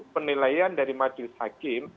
penilaian dari majelis hakim